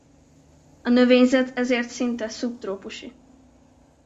A növényzet ezért szinte szubtrópusi.